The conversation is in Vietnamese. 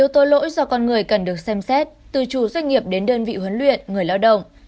doanh nghiệp đến đơn vị huấn luyện người lao động